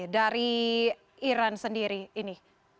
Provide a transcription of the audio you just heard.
dari iran sendiri ini